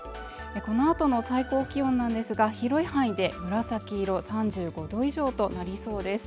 このあとの最高気温なんですが広い範囲で紫色３５度以上となりそうです